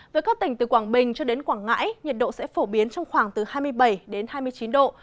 với các tỉnh từ quảng bình cho đến quảng ngãi nhiệt độ sẽ phổ biến trong khoảng từ hai mươi bảy đến hai mươi chín độ